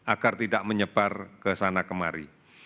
agar tidak menyebar ke sana kemari